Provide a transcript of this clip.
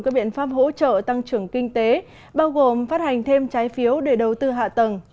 các biện pháp hỗ trợ tăng trưởng kinh tế bao gồm phát hành thêm trái phiếu để đầu tư hạ tầng